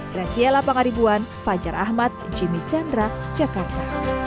graciela pangaribuan fajar ahmad jimmy chandra jakarta